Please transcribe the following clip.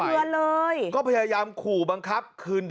ไม่สะเตือนเลยก็พยายามขู่บ้างครับ